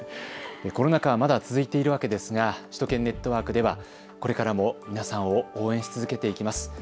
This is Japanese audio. コロナ禍はまだ続いているわけですが首都圏ネットワークではこれからも皆さんを応援し続けていきます。